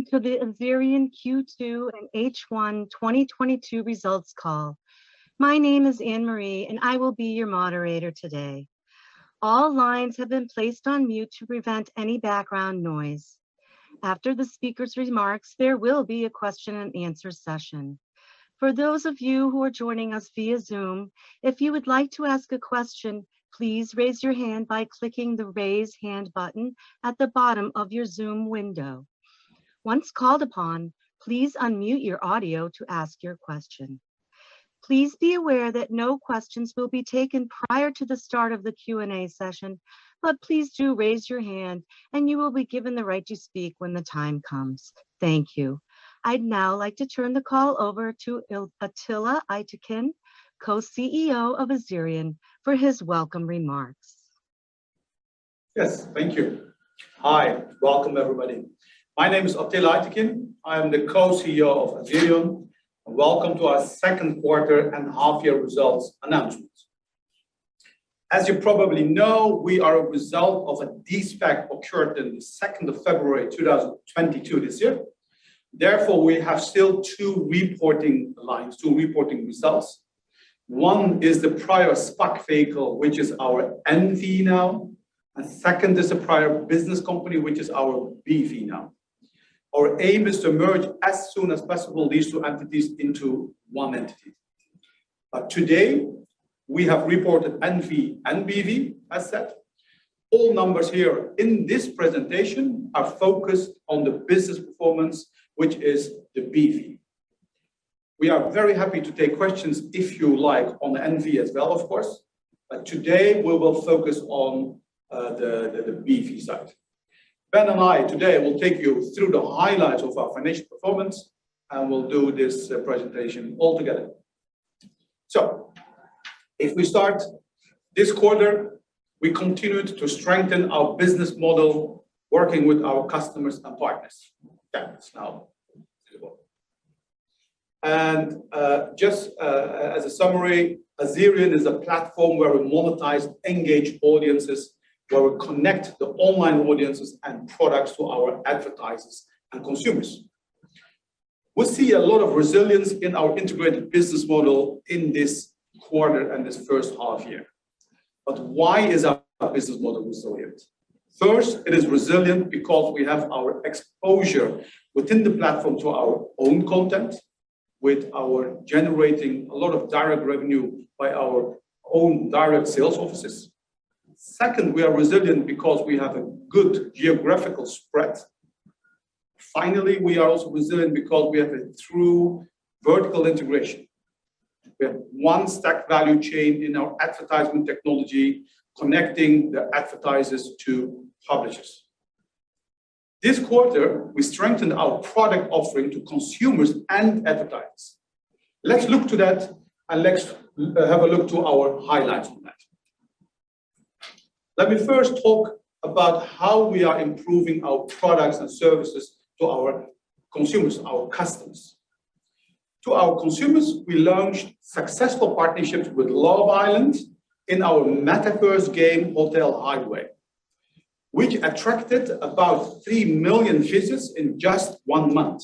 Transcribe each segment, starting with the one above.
Welcome to the Azerion Q2 and H1 2022 results call. My name is Anne Marie, and I will be your moderator today. All lines have been placed on mute to prevent any background noise. After the speaker's remarks, there will be a question-and-answer session. For those of you who are joining us via Zoom, if you would like to ask a question, please raise your hand by clicking the Raise Hand button at the bottom of your Zoom window. Once called upon, please unmute your audio to ask your question. Please be aware that no questions will be taken prior to the start of the Q&A session, but please do raise your hand and you will be given the right to speak when the time comes. Thank you. I'd now like to turn the call over to Atilla Aytekin, Co-CEO of Azerion, for his welcome remarks. Yes. Thank you. Hi. Welcome, everybody. My name is Atilla Aytekin. I am the co-CEO of Azerion, and welcome to our second quarter and half year results announcement. As you probably know, we are a result of a de-SPAC that occurred on February 2, 2022. Therefore, we have still two reporting lines, two reporting results. One is the prior SPAC vehicle, which is our NV now, and second is the prior business company, which is our BV now. Our aim is to merge as soon as possible these two entities into one entity. Today, we have reported NV and BV assets. All numbers here in this presentation are focused on the business performance, which is the BV. We are very happy to take questions if you like on the NV as well, of course, but today we will focus on the BV side. Ben and I today will take you through the highlights of our financial performance, and we'll do this presentation all together. If we start this quarter, we continued to strengthen our business model working with our customers and partners. Yeah, it's now visible. Just as a summary, Azerion is a platform where we monetize engaged audiences, where we connect the online audiences and products to our advertisers and consumers. We see a lot of resilience in our integrated business model in this quarter and this first half year. Why is our business model resilient? First, it is resilient because we have our exposure within the platform to our own content with our generating a lot of direct revenue by our own direct sales offices. Second, we are resilient because we have a good geographical spread. Finally, we are also resilient because we have a true vertical integration. We have one stack value chain in our advertisement technology connecting the advertisers to publishers. This quarter, we strengthened our product offering to consumers and advertisers. Let's look to that and let's have a look to our highlights on that. Let me first talk about how we are improving our products and services to our consumers, our customers. To our consumers, we launched successful partnerships with Love Island in our metaverse game Hotel Hideaway, which attracted about 3 million visits in just one month.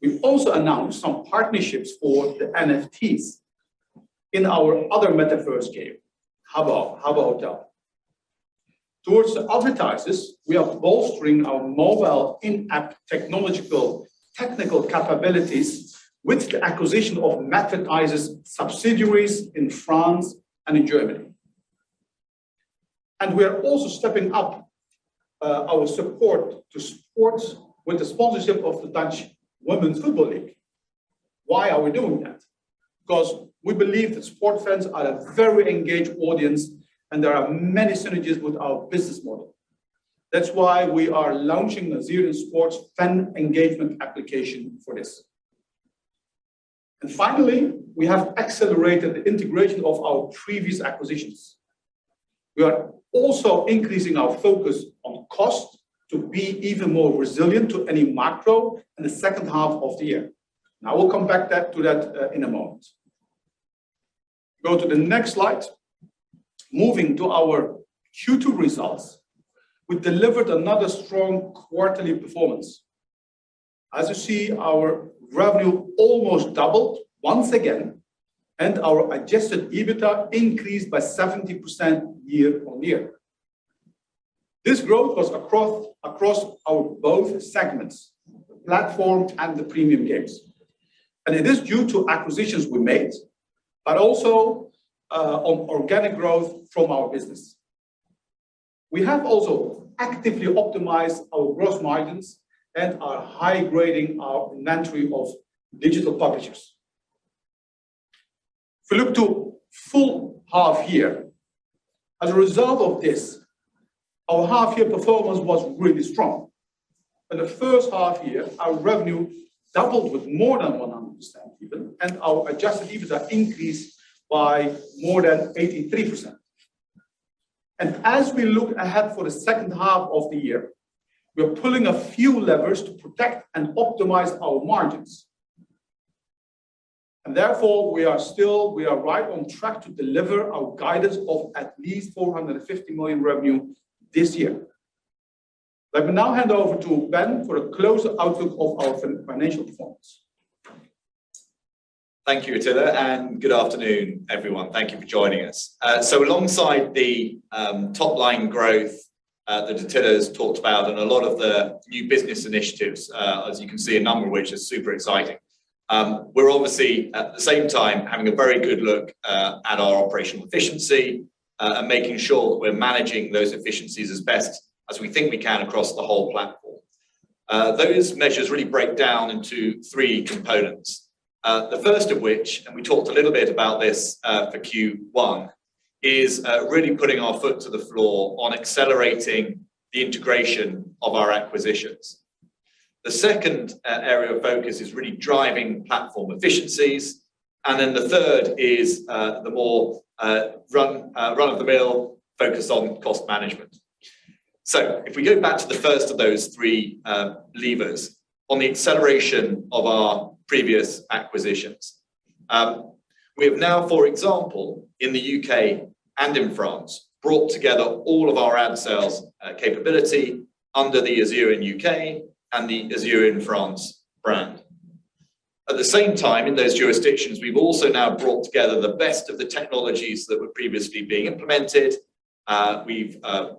We've also announced some partnerships for the NFTs in our other metaverse game, Habbo Hotel. Towards the advertisers, we are bolstering our mobile in-app technological, technical capabilities with the acquisition of Madvertise subsidiaries in France and in Germany. We are also stepping up our support to sports with the sponsorship of the Azerion Vrouwen Eredivisie. Why are we doing that? Because we believe that sports fans are a very engaged audience, and there are many synergies with our business model. That's why we are launching Azerion Fanzone for this. Finally, we have accelerated the integration of our previous acquisitions. We are also increasing our focus on cost to be even more resilient to any macro in the second half of the year. Now we'll come back to that in a moment. Go to the next slide. Moving to our Q2 results, we delivered another strong quarterly performance. As you see, our revenue almost doubled once again, and our adjusted EBITDA increased by 70% year-on-year. This growth was across our both segments, the platform and the premium games, and it is due to acquisitions we made, but also organic growth from our business. We have also actively optimized our gross margins and are high-grading our inventory of digital publishers. If we look to full half year, as a result of this, our half year performance was really strong. In the first half year, our revenue doubled with more than 100% even, and our adjusted EBITDA increased by more than 83%. As we look ahead for the second half of the year, we're pulling a few levers to protect and optimize our margins. Therefore, we are still right on track to deliver our guidance of at least 450 million revenue this year. Let me now hand over to Ben for a closer outlook of our financial performance. Thank you, Atilla, and good afternoon, everyone. Thank you for joining us. Alongside the top-line growth that Atilla's talked about and a lot of the new business initiatives, as you can see, a number of which are super exciting, we're obviously at the same time having a very good look at our operational efficiency and making sure that we're managing those efficiencies as best as we think we can across the whole platform. Those measures really break down into three components. The first of which, and we talked a little bit about this, for Q1, is really putting our foot to the floor on accelerating the integration of our acquisitions. The second area of focus is really driving platform efficiencies, and then the third is the more run-of-the-mill focus on cost management. If we go back to the first of those three levers on the acceleration of our previous acquisitions, we have now, for example, in the U.K. and in France, brought together all of our ad sales capability under the Azerion U.K. and the Azerion France brand. At the same time, in those jurisdictions, we've also now brought together the best of the technologies that were previously being implemented. We've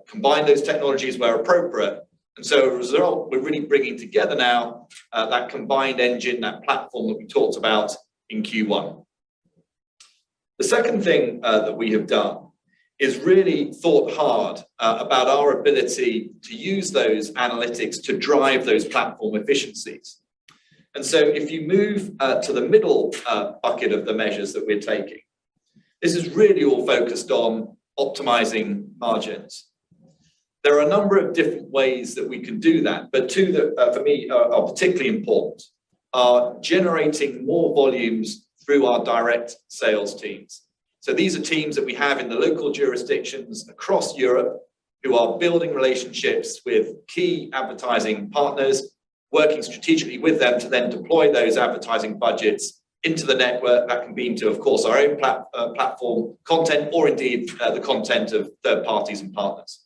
combined those technologies where appropriate, and as a result, we're really bringing together now that combined engine, that platform that we talked about in Q1. The second thing that we have done is really thought hard about our ability to use those analytics to drive those platform efficiencies. If you move to the middle bucket of the measures that we're taking, this is really all focused on optimizing margins. There are a number of different ways that we can do that, but two that for me are particularly important are generating more volumes through our direct sales teams. These are teams that we have in the local jurisdictions across Europe who are building relationships with key advertising partners, working strategically with them to then deploy those advertising budgets into the network. That can mean to, of course, our own platform content or indeed the content of third parties and partners.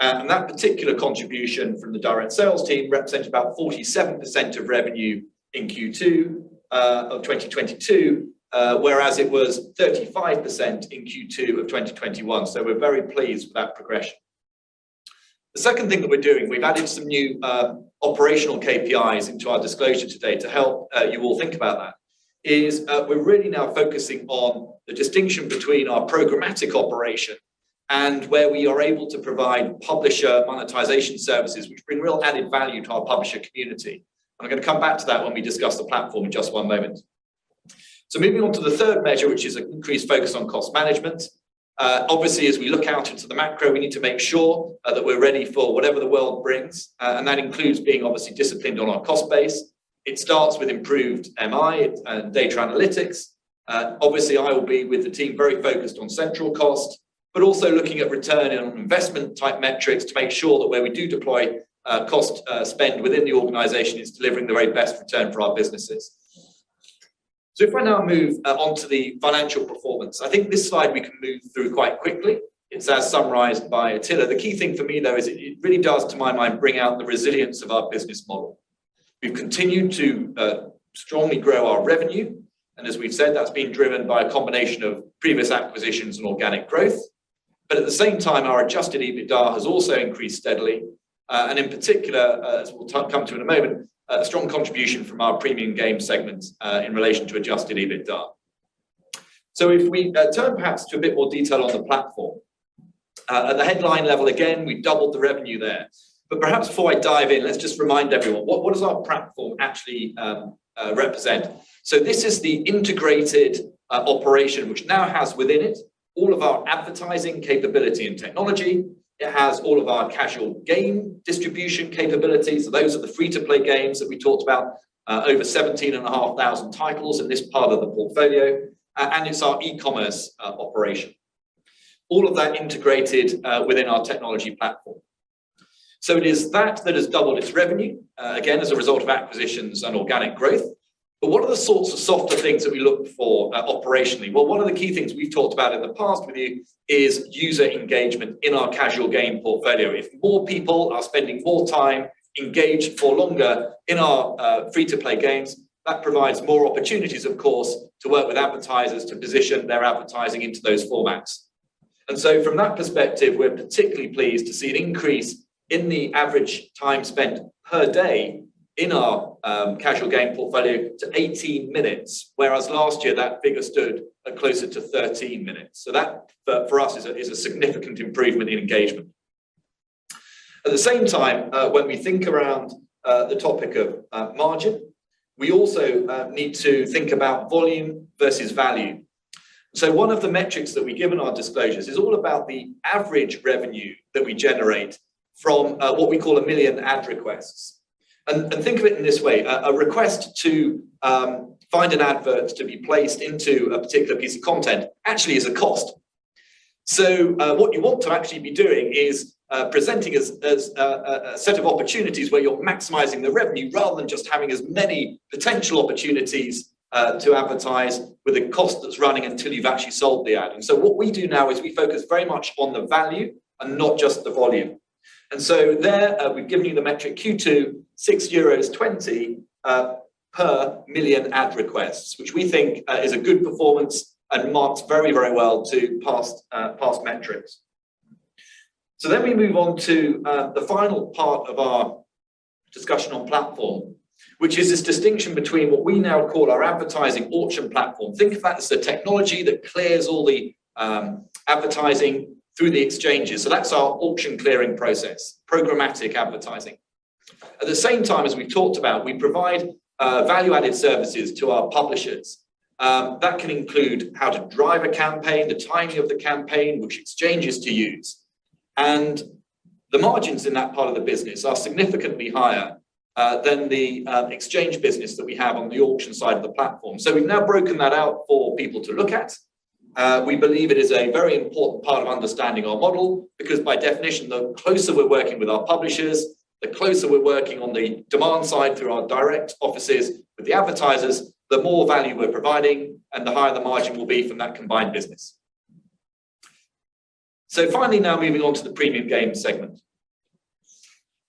That particular contribution from the direct sales team represents about 47% of revenue in Q2 of 2022, whereas it was 35% in Q2 of 2021. We're very pleased with that progression. The second thing that we're doing, we've added some new operational KPIs into our disclosure today to help you all think about that, is we're really now focusing on the distinction between our programmatic operation and where we are able to provide publisher monetization services, which bring real added value to our publisher community. I'm gonna come back to that when we discuss the platform in just one moment. Moving on to the third measure, which is an increased focus on cost management. Obviously, as we look out into the macro, we need to make sure that we're ready for whatever the world brings, and that includes being obviously disciplined on our cost base. It starts with improved MI data analytics. Obviously I will be with the team very focused on central cost, but also looking at return on investment type metrics to make sure that where we do deploy cost spend within the organization is delivering the very best return for our businesses. If I now move onto the financial performance, I think this slide we can move through quite quickly. It's as summarized by Atilla. The key thing for me though is it really does, to my mind, bring out the resilience of our business model. We've continued to strongly grow our revenue, and as we've said, that's been driven by a combination of previous acquisitions and organic growth. At the same time, our adjusted EBITDA has also increased steadily. In particular, as we'll come to in a moment, a strong contribution from our premium game segments in relation to adjusted EBITDA. If we turn perhaps to a bit more detail on the platform, at the headline level, again, we've doubled the revenue there. Perhaps before I dive in, let's just remind everyone what does our platform actually represent? This is the integrated operation which now has within it all of our advertising capability and technology. It has all of our casual game distribution capabilities. Those are the free-to-play games that we talked about, over 17,500 titles in this part of the portfolio. It's our e-commerce operation. All of that integrated within our technology platform. It is that that has doubled its revenue, again, as a result of acquisitions and organic growth. What are the sorts of softer things that we look for, operationally? Well, one of the key things we've talked about in the past with you is user engagement in our casual game portfolio. If more people are spending more time engaged for longer in our, free-to-play games, that provides more opportunities, of course, to work with advertisers to position their advertising into those formats. From that perspective, we're particularly pleased to see an increase in the average time spent per day in our, casual game portfolio to 18 minutes, whereas last year that figure stood, closer to 13 minutes. That for us is a significant improvement in engagement. At the same time, when we think around the topic of margin, we also need to think about volume versus value. One of the metrics that we give in our disclosures is all about the average revenue that we generate from what we call 1 million ad requests. Think of it in this way, a request to find an advert to be placed into a particular piece of content actually is a cost. What you want to actually be doing is presenting us as a set of opportunities where you're maximizing the revenue rather than just having as many potential opportunities to advertise with a cost that's running until you've actually sold the ad. What we do now is we focus very much on the value and not just the volume. We've given you the metric Q2, 6.20 euros per million ad requests, which we think is a good performance and marks very, very well to past metrics. Let me move on to the final part of our discussion on platform, which is this distinction between what we now call our advertising auction platform. Think of that as the technology that clears all the advertising through the exchanges. That's our auction clearing process, programmatic advertising. At the same time, as we talked about, we provide value-added services to our publishers. That can include how to drive a campaign, the timing of the campaign, which exchanges to use. The margins in that part of the business are significantly higher than the exchange business that we have on the auction side of the platform. We've now broken that out for people to look at. We believe it is a very important part of understanding our model because by definition, the closer we're working with our publishers, the closer we're working on the demand side through our direct offices with the advertisers, the more value we're providing and the higher the margin will be from that combined business. Finally now moving on to the premium game segment.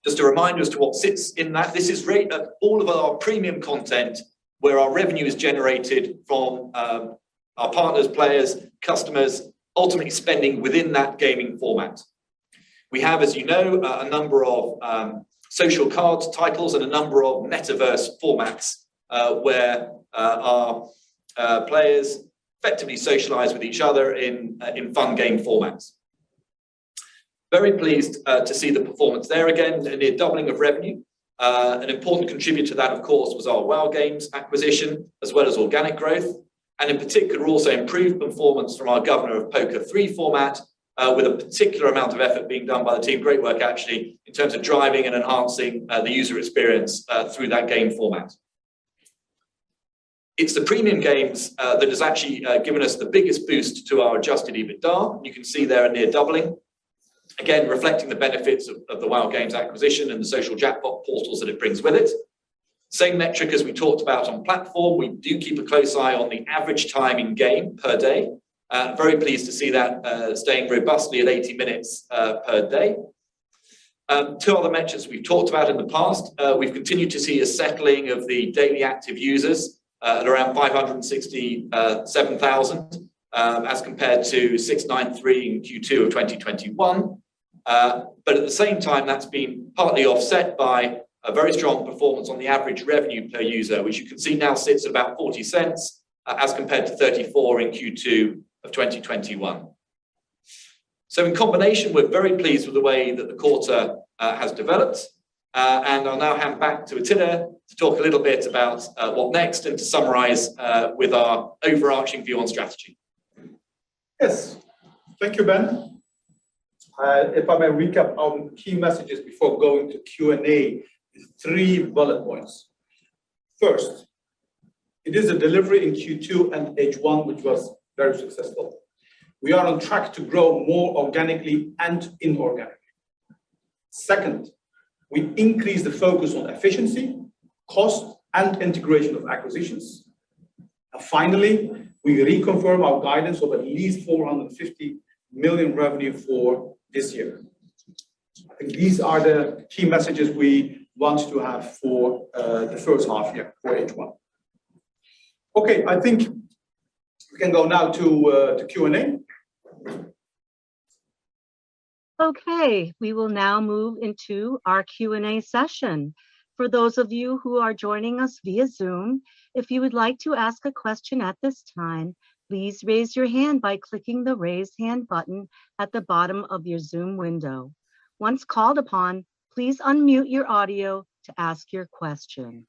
Just a reminder as to what sits in that. This is all of our premium content where our revenue is generated from our partners, players, customers ultimately spending within that gaming format. We have, as you know, a number of social casino titles and a number of metaverse formats, where our players effectively socialize with each other in fun game formats. Very pleased to see the performance there again, the near doubling of revenue. An important contributor to that, of course, was our WHOW Games acquisition, as well as organic growth. In particular, also improved performance from our Governor of Poker three format, with a particular amount of effort being done by the team. Great work actually in terms of driving and enhancing the user experience through that game format. It's the premium games that has actually given us the biggest boost to our adjusted EBITDA. You can see there a near doubling. Again, reflecting the benefits of the WHOW Games acquisition and the social jackpot portals that it brings with it. Same metric as we talked about on platform. We do keep a close eye on the average time in game per day. Very pleased to see that, staying robustly at 80 minutes per day. Two other metrics we've talked about in the past. We've continued to see a settling of the daily active users at around 567,000, as compared to 693 in Q2 of 2021. But at the same time, that's been partly offset by a very strong performance on the average revenue per user, which you can see now sits about 0.40, as compared to 0.34 in Q2 of 2021. In combination, we're very pleased with the way that the quarter has developed. I'll now hand back to Atilla to talk a little bit about what next and to summarize with our overarching view on strategy. Yes. Thank you, Ben. If I may recap on key messages before going to Q&A, three bullet points. First, it is a delivery in Q2 and H1 which was very successful. We are on track to grow more organically and inorganically. Second, we increase the focus on efficiency, cost, and integration of acquisitions. Finally, we reconfirm our guidance of at least 450 million revenue for this year. I think these are the key messages we want to have for the first half year for H1. Okay, I think we can go now to Q&A. Okay, we will now move into our Q&A session. For those of you who are joining us via Zoom, if you would like to ask a question at this time, please raise your hand by clicking the Raise Hand button at the bottom of your Zoom window. Once called upon, please unmute your audio to ask your question.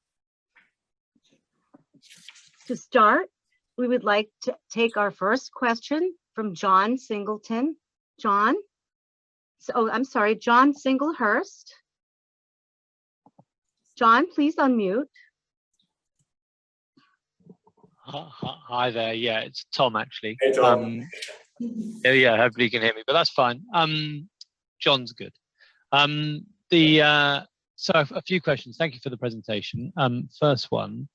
To start, we would like to take our first question from Thomas Singlehurst. John? Oh, I'm sorry, John Singlehurst. John, please unmute. Hi there. Yeah, it's Tom, actually. Hey, Tom. Yeah, yeah, hopefully you can hear me, but that's fine. Thomas Singlehurst is good. A few questions. Thank you for the presentation. First one,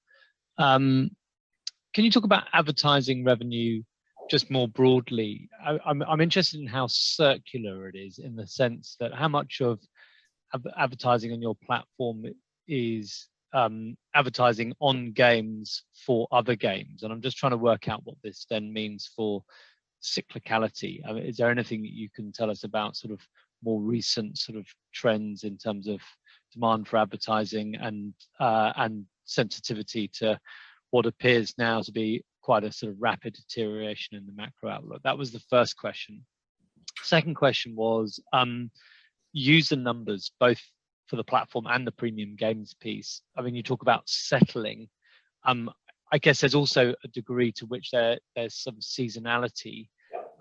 can you talk about advertising revenue just more broadly? I'm interested in how circular it is in the sense that how much of advertising on your platform is advertising on games for other games? And I'm just trying to work out what this then means for cyclicality. Is there anything that you can tell us about sort of more recent sort of trends in terms of demand for advertising and sensitivity to what appears now to be quite a sort of rapid deterioration in the macro outlook? That was the first question. Second question was user numbers both for the platform and the premium games piece. I mean, you talk about settling. I guess there's also a degree to which there's some seasonality.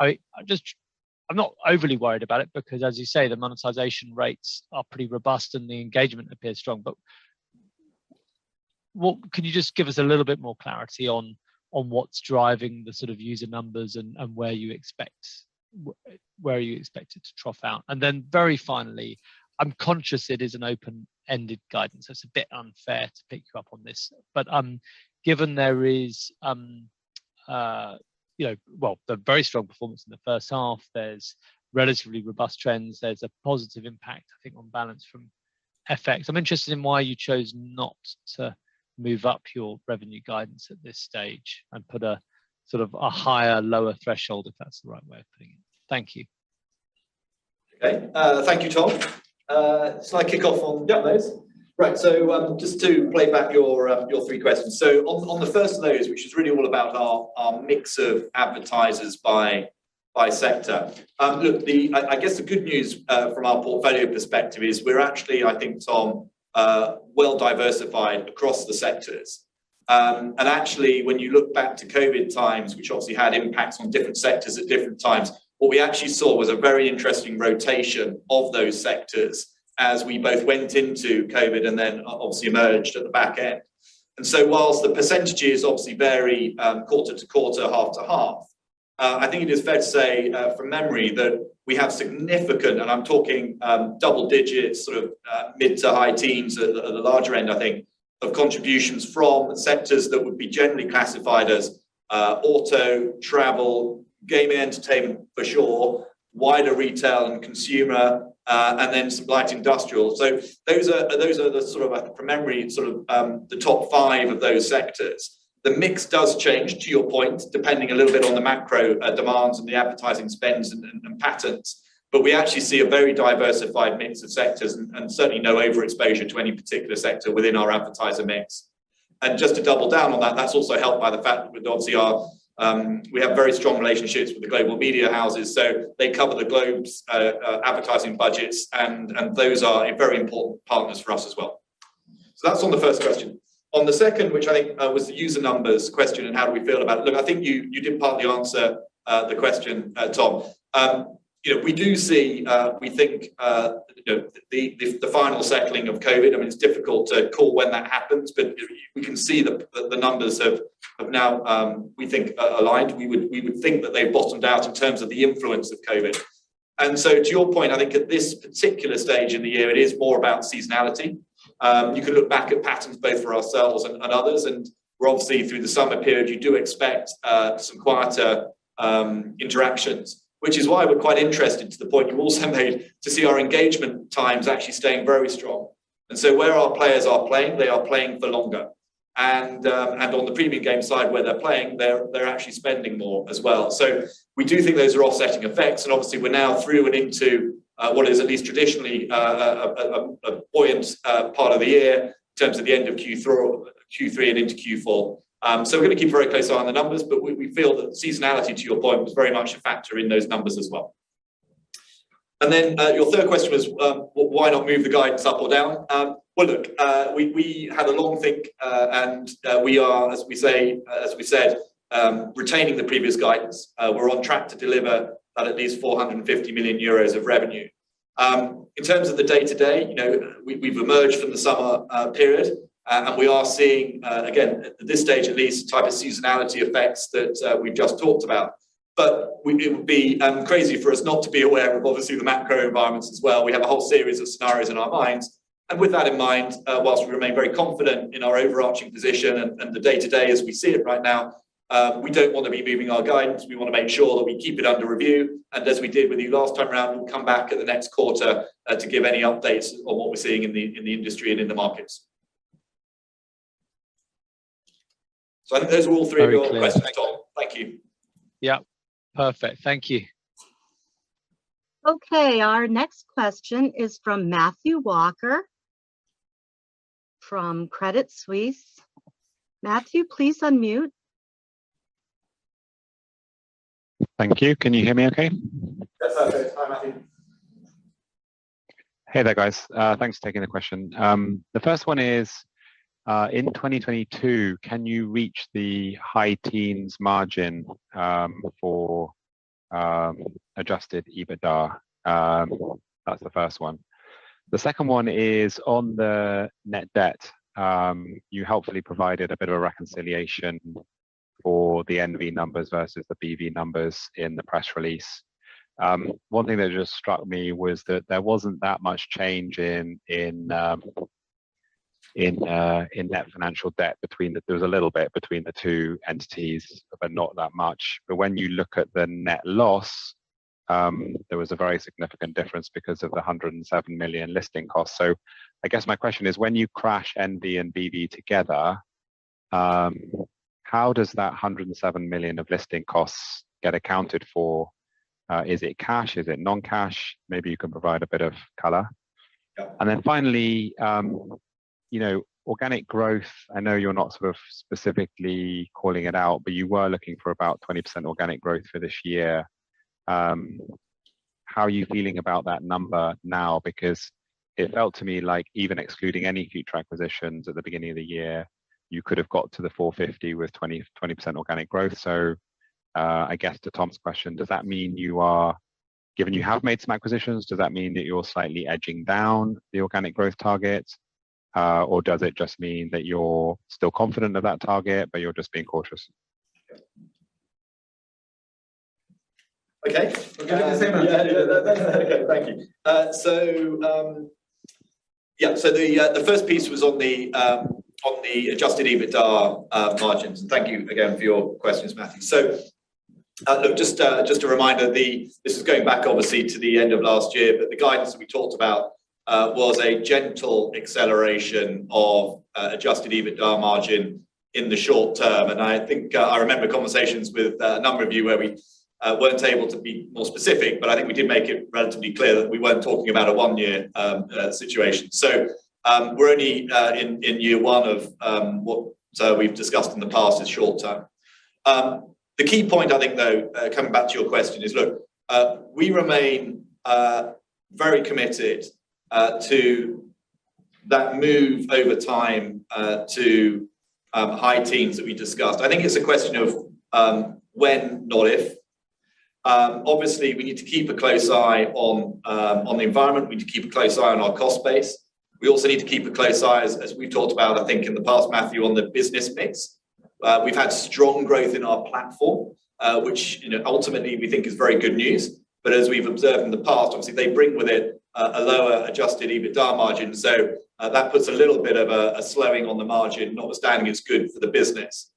I'm not overly worried about it because, as you say, the monetization rates are pretty robust and the engagement appears strong, but can Can you just give us a little bit more clarity on what's driving the sort of user numbers and where you expect it to trough out? Then very finally, I'm conscious it is an open-ended guidance, so it's a bit unfair to pick you up on this. Given there is, you know, the very strong performance in the first half, there's relatively robust trends, there's a positive impact, I think, on balance from FX. I'm interested in why you chose not to move up your revenue guidance at this stage and put a sort of a higher lower threshold, if that's the right way of putting it. Thank you. Okay. Thank you, Tom. Shall I kick off on those? Yeah. Right. Just to play back your three questions. On the first of those, which is really all about our mix of advertisers by sector. Look, I guess the good news from our portfolio perspective is we're actually, I think, Tom, well-diversified across the sectors. Actually when you look back to COVID times, which obviously had impacts on different sectors at different times, what we actually saw was a very interesting rotation of those sectors as we both went into COVID and then obviously emerged at the back end. While the percentages obviously vary, quarter to quarter, half to half, I think it is fair to say, from memory that we have significant, and I'm talking, double digits, sort of, mid to high teens at the larger end, I think, of contributions from sectors that would be generally classified as, auto, travel, gaming entertainment for sure, wider retail and consumer, and then supply to industrial. Those are the sort of from memory, sort of, the top five of those sectors. The mix does change, to your point, depending a little bit on the macro, demands and the advertising spends and patterns. We actually see a very diversified mix of sectors and certainly no overexposure to any particular sector within our advertiser mix. Just to double down on that's also helped by the fact that with RR we have very strong relationships with the global media houses, so they cover the global advertising budgets, and those are very important partners for us as well. That's on the first question. On the second, which I think was the user numbers question and how do we feel about it. Look, I think you did partly answer the question, Tom. You know, we do see, we think, you know, the final settling of COVID. I mean, it's difficult to call when that happens, but we can see the numbers have now, we think, aligned. We would think that they bottomed out in terms of the influence of COVID. To your point, I think at this particular stage in the year, it is more about seasonality. You can look back at patterns both for ourselves and others, and where obviously through the summer period, you do expect some quieter interactions. Which is why we're quite interested to the point you also made to see our engagement times actually staying very strong. Where our players are playing, they are playing for longer. On the premium game side where they're playing, they're actually spending more as well. We do think those are offsetting effects, and obviously we're now through and into what is at least traditionally a buoyant part of the year in terms of the end of Q3 and into Q4. We're gonna keep a very close eye on the numbers, but we feel that seasonality, to your point, was very much a factor in those numbers as well. Your third question was, why not move the guidance up or down? Well, look, we had a long think, and we are, as we said, retaining the previous guidance. We're on track to deliver that at least 450 million euros of revenue. In terms of the day-to-day, you know, we've emerged from the summer period, and we are seeing, again, at this stage at least, type of seasonality effects that we've just talked about. It would be crazy for us not to be aware of obviously the macro environments as well. We have a whole series of scenarios in our minds, and with that in mind, while we remain very confident in our overarching position and the day-to-day as we see it right now, we don't want to be moving our guidance. We wanna make sure that we keep it under review, and as we did with you last time around, we'll come back at the next quarter to give any updates on what we're seeing in the industry and in the markets. So I think those are all three of your questions, Tom. Very clear. Thank you. Thank you. Yeah. Perfect. Thank you. Okay. Our next question is from Matthew Walker from Credit Suisse. Matthew, please unmute. Thank you. Can you hear me okay? Yes. That's okay. Hi, Matthew. Hey there, guys. Thanks for taking the question. The first one is, in 2022, can you reach the high teens margin for adjusted EBITDA? That's the first one. The second one is, on the net debt, you helpfully provided a bit of a reconciliation for the N.V. numbers versus the B.V. numbers in the press release. One thing that just struck me was that there wasn't that much change in net financial debt. There was a little bit between the two entities, but not that much. When you look at the net loss, there was a very significant difference because of the 107 million listing costs. I guess my question is, when you crash NV and BV together, how does that 107 million of listing costs get accounted for? Is it cash? Is it non-cash? Maybe you can provide a bit of color. Finally, you know, organic growth, I know you're not sort of specifically calling it out, but you were looking for about 20% organic growth for this year. How are you feeling about that number now? Because it felt to me like even excluding any key track positions at the beginning of the year, you could have got to the 450 with 20% organic growth. I guess to Thomas's question, does that mean you are, given you have made some acquisitions, does that mean that you're slightly edging down the organic growth targets? Or does it just mean that you're still confident of that target, but you're just being cautious? Okay. We're good in the same. Thank you. The first piece was on the adjusted EBITDA margins. Thank you again for your questions, Matthew. Look, just a reminder, this is going back obviously to the end of last year, but the guidance that we talked about was a gentle acceleration of adjusted EBITDA margin in the short term. I think I remember conversations with a number of you where we weren't able to be more specific, but I think we did make it relatively clear that we weren't talking about a one-year situation. We're only in year one of what we've discussed in the past is short term. The key point I think though, coming back to your question is, look, we remain very committed to that move over time to high teens that we discussed. I think it's a question of when, not if. Obviously we need to keep a close eye on the environment. We need to keep a close eye on our cost base. We also need to keep a close eye as we've talked about, I think in the past, Matthew, on the business mix. We've had strong growth in our platform, which, you know, ultimately we think is very good news. As we've observed in the past, obviously they bring with it a lower adjusted EBITDA margin. That puts a little bit of a slowing on the margin, notwithstanding it's good for the business.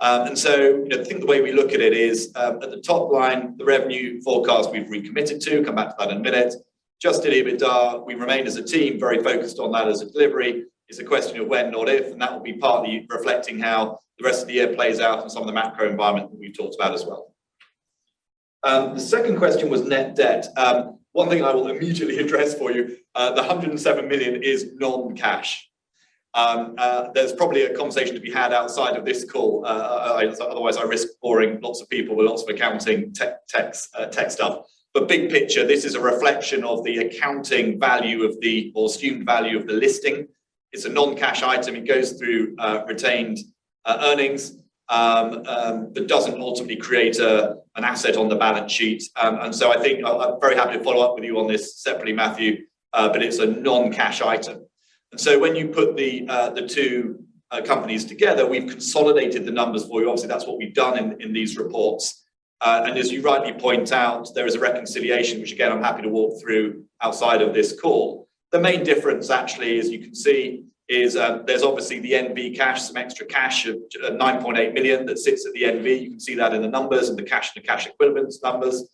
You know, I think the way we look at it is, at the top line, the revenue forecast we've recommitted to. Come back to that in a minute. Adjusted EBITDA, we remain as a team very focused on that as a delivery. It's a question of when, not if, and that will be partly reflecting how the rest of the year plays out and some of the macro environment that we've talked about as well. The second question was net debt. One thing I will immediately address for you, the 107 million is non-cash. There's probably a conversation to be had outside of this call. Otherwise I risk boring lots of people with lots of accounting tech stuff. Big picture, this is a reflection of the accounting value or assumed value of the listing. It's a non-cash item. It goes through retained earnings, but doesn't ultimately create an asset on the balance sheet. I think I'm very happy to follow up with you on this separately, Matthew, but it's a non-cash item. When you put the two companies together, we've consolidated the numbers for you. Obviously, that's what we've done in these reports. As you rightly point out, there is a reconciliation, which again, I'm happy to walk through outside of this call. The main difference actually, as you can see, is there's obviously the NV cash, some extra cash of 9.8 million that sits at the NV. You can see that in the numbers, in the cash and the cash equivalents numbers.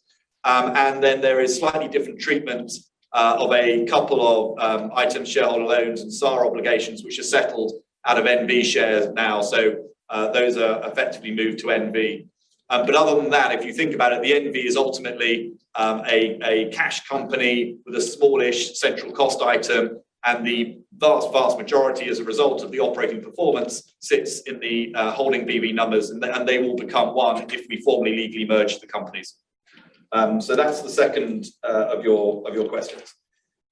There is slightly different treatment of a couple of items, shareholder loans and SAR obligations, which are settled out of NV shares now. Those are effectively moved to NV. Other than that, if you think about it, the NV is ultimately a cash company with a smallish central cost item, and the vast majority as a result of the operating performance sits in the holding BV numbers. They will become one if we formally legally merge the companies. That's the second of your questions.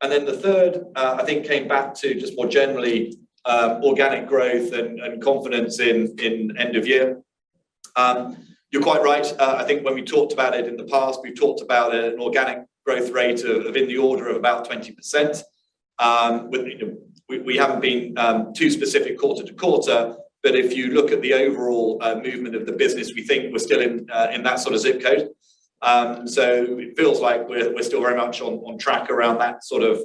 The third I think came back to just more generally organic growth and confidence in end of year. You're quite right. I think when we talked about it in the past, we've talked about an organic growth rate of in the order of about 20%. You know, we haven't been too specific quarter to quarter, but if you look at the overall movement of the business, we think we're still in that sort of zip code. It feels like we're still very much on track around that sort of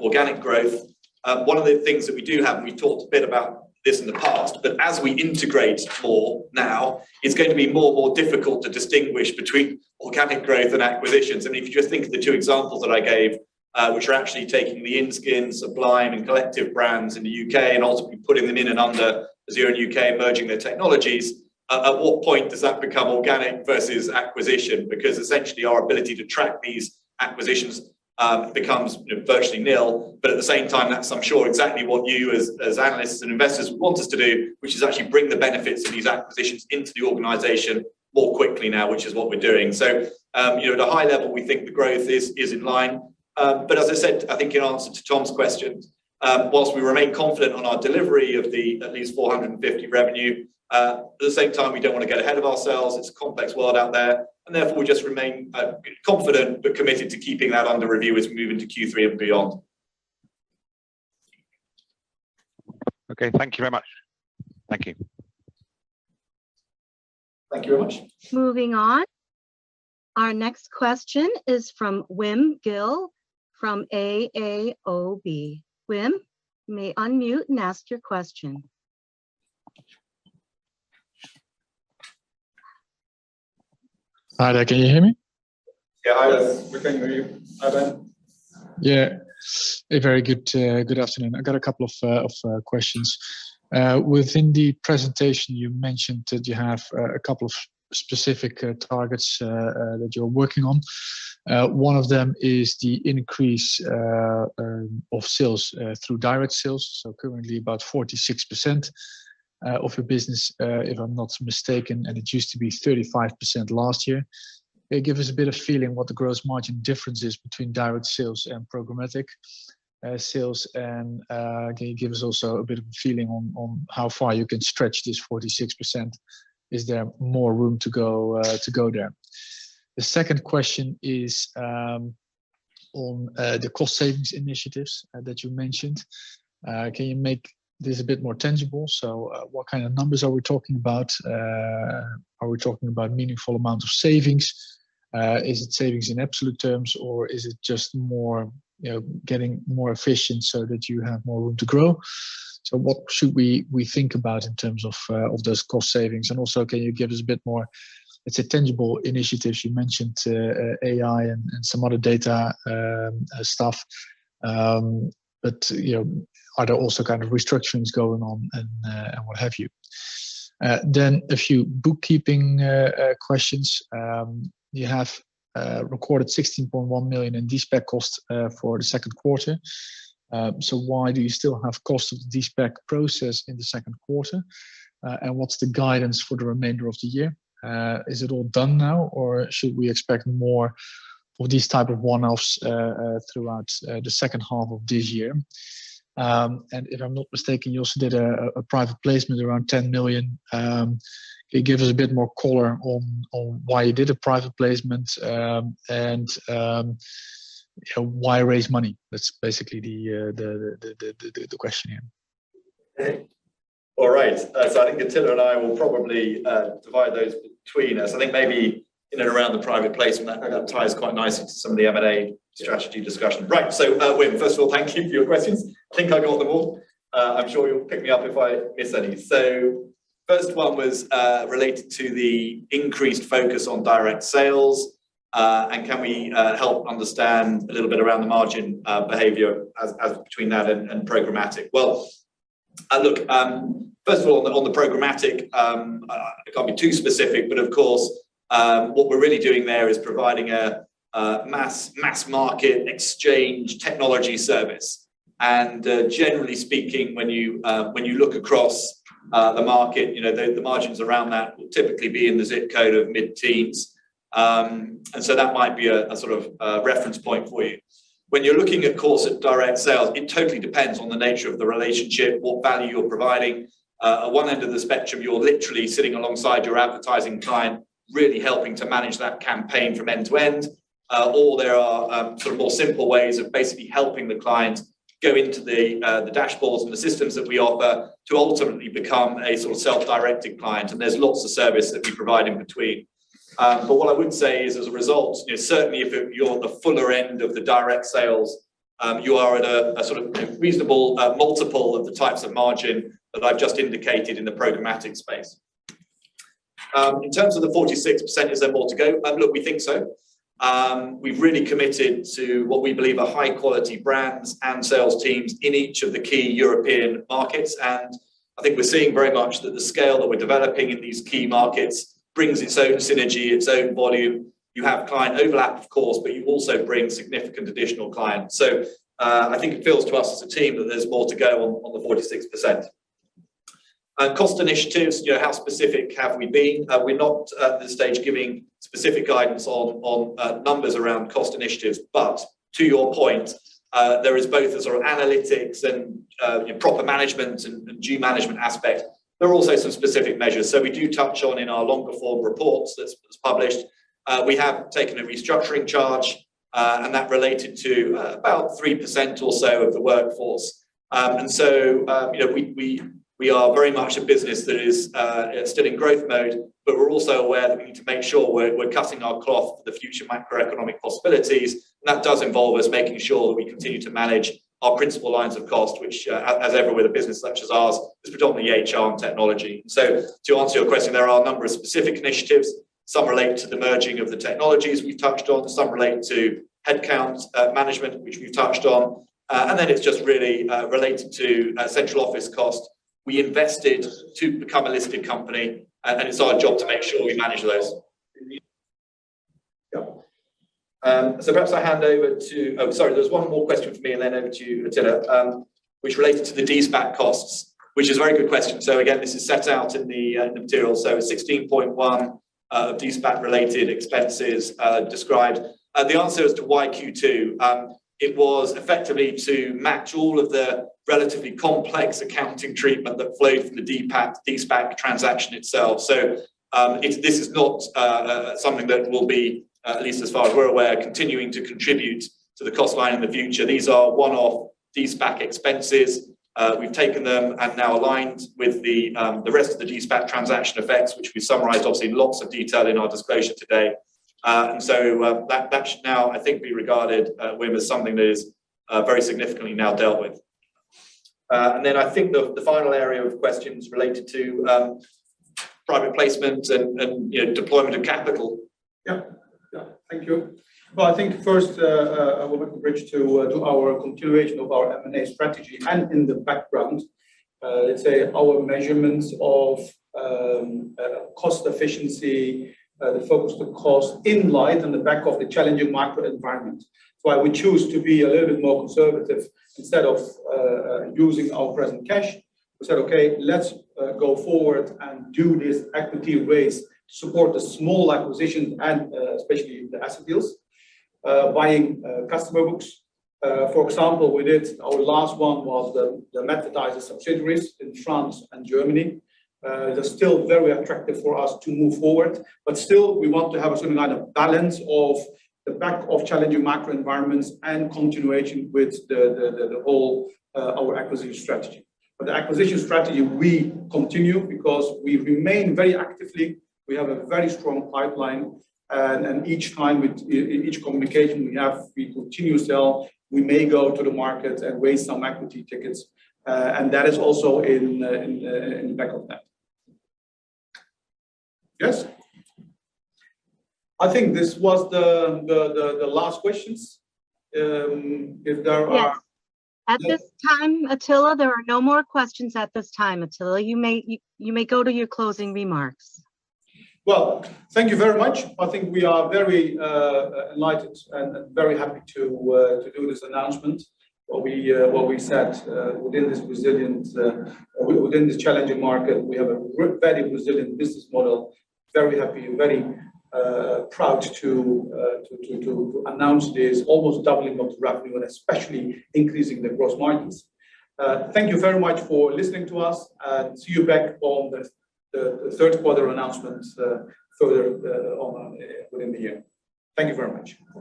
organic growth. One of the things that we do have, and we talked a bit about this in the past, but as we integrate more now, it's going to be more and more difficult to distinguish between organic growth and acquisitions. I mean, if you just think of the two examples that I gave, which are actually taking the Inskin, Sublime, and Collective brands in the UK and ultimately putting them in and under Azerion U.K., merging their technologies, at what point does that become organic versus acquisition? Because essentially our ability to track these acquisitions becomes, you know, virtually nil. At the same time, that's, I'm sure, exactly what you as analysts and investors want us to do, which is actually bring the benefits of these acquisitions into the organization more quickly now, which is what we're doing. You know, at a high level, we think the growth is in line. As I said, I think in answer to Thomas's questions, while we remain confident on our delivery of the at least 450 revenue, at the same time, we don't wanna get ahead of ourselves. It's a complex world out there, and therefore we just remain confident but committed to keeping that under review as we move into Q3 and beyond. Okay. Thank you very much. Thank you. Thank you very much. Moving on. Our next question is from Wim Gille from ABN AMRO ODDO BHF. Wim, you may unmute and ask your question. Hi there. Can you hear me? Yeah. Hi there. We can hear you. Hi there. Yeah. A very good afternoon. I got a couple of questions. Within the presentation, you mentioned that you have a couple of specific targets that you're working on. One of them is the increase of sales through direct sales, so currently about 46% of your business, if I'm not mistaken, and it used to be 35% last year. Can you give us a bit of feeling what the gross margin difference is between direct sales and programmatic sales? Can you give us also a bit of a feeling on how far you can stretch this 46%? Is there more room to go there? The second question is, the cost savings initiatives that you mentioned, can you make this a bit more tangible? What kind of numbers are we talking about? Are we talking about meaningful amounts of savings? Is it savings in absolute terms or is it just more, you know, getting more efficient so that you have more room to grow? What should we think about in terms of those cost savings? And also, can you give us a bit more. It's a tangible initiative. You mentioned AI and some other data stuff. You know, are there also kind of restructurings going on and what have you? A few bookkeeping questions. You have recorded 16.1 million in de-SPAC costs for the second quarter. Why do you still have cost of de-SPAC process in the second quarter? What's the guidance for the remainder of the year? Is it all done now or should we expect more of these type of one-offs throughout the second half of this year? If I'm not mistaken, you also did a private placement around 10 million. Can you give us a bit more color on why you did a private placement? Why raise money? That's basically the question here. All right. I think Atilla and I will probably divide those between us. I think maybe in and around the private placement that ties quite nicely to some of the M&A strategy discussion. Right. Wim, first of all, thank you for your questions. I think I got them all. I'm sure you'll pick me up if I missed any. First one was related to the increased focus on direct sales. And can we help understand a little bit around the margin behavior as between that and programmatic? Well, look, first of all, on the programmatic, I can't be too specific, but of course, what we're really doing there is providing a mass market exchange technology service. Generally speaking, when you look across the market, you know, the margins around that will typically be in the zip code of mid-teens. That might be a sort of reference point for you. When you're looking of course at direct sales, it totally depends on the nature of the relationship, what value you're providing. At one end of the spectrum, you're literally sitting alongside your advertising client, really helping to manage that campaign from end to end. Or there are sort of more simple ways of basically helping the client go into the dashboards and the systems that we offer to ultimately become a sort of self-directing client. There's lots of service that we provide in between. What I would say is, as a result, you know, certainly if you're the fuller end of the direct sales, you are at a sort of reasonable multiple of the types of margin that I've just indicated in the programmatic space. In terms of the 46%, is there more to go? Look, we think so. We've really committed to what we believe are high quality brands and sales teams in each of the key European markets. I think we're seeing very much that the scale that we're developing in these key markets brings its own synergy, its own volume. You have client overlap, of course, but you also bring significant additional clients. I think it feels to us as a team that there's more to go on the 46%. Cost initiatives, you know, how specific have we been? We're not at this stage giving specific guidance on numbers around cost initiatives. To your point, there is both a sort of analytics and proper management and due management aspect. There are also some specific measures. We do touch on in our longer form reports that's published. We have taken a restructuring charge, and that related to about 3% or so of the workforce. You know, we are very much a business that is still in growth mode, but we're also aware that we need to make sure we're cutting our cloth for the future macroeconomic possibilities. That does involve us making sure that we continue to manage our principal lines of cost, which, as ever with a business such as ours, is predominantly HR and technology. To answer your question, there are a number of specific initiatives. Some relate to the merging of the technologies we've touched on. Some relate to headcount management, which we've touched on. And then it's just really related to central office cost. We invested to become a listed company, and it's our job to make sure we manage those. Perhaps I hand over. Oh, sorry, there's one more question for me and then over to you, Atilla, which related to the de-SPAC costs, which is a very good question. Again, this is set out in the material. 16.1 de-SPAC related expenses described. The answer as to why Q2 it was effectively to match all of the relatively complex accounting treatment that flowed from the de-SPAC transaction itself. This is not something that will be, at least as far as we're aware, continuing to contribute to the cost line in the future. These are one-off de-SPAC expenses. We've taken them and now aligned with the rest of the de-SPAC transaction effects, which we summarized, obviously, lots of detail in our disclosure today. That should now, I think, be regarded, Wim, as something that is very significantly now dealt with. Then I think the final area of questions related to private placement and, you know, deployment of capital. Yeah. Yeah. Thank you. Well, I think first, I will make a bridge to our continuation of our M&A strategy. In the background, let's say our measurements of cost efficiency, the focus on cost in light of the challenging macro environment. That's why we choose to be a little bit more conservative instead of using our present cash. We said, "Okay, let's go forward and do this equity raise to support the small acquisitions and, especially the asset deals," buying customer books. For example, we did our last one was the Madvertise subsidiaries in France and Germany. They're still very attractive for us to move forward. Still, we want to have a certain line of balance in the back of challenging macro environments and continuation with the whole of our acquisition strategy. The acquisition strategy, we continue because we remain very active. We have a very strong pipeline. Each time we in each communication we have, we continue sell. We may go to the market and raise some equity tickets. That is also in the back of that. Yes. I think this was the last questions. If there are Yes. At this time, Atilla, there are no more questions at this time, Atilla. You may go to your closing remarks. Well, thank you very much. I think we are very enlightened and very happy to do this announcement. What we said within this challenging market, we have a very resilient business model. Very happy and very proud to announce this almost doubling of the revenue and especially increasing the gross margins. Thank you very much for listening to us, and see you back on the third quarter announcements further on within the year. Thank you very much.